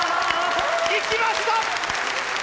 いきました！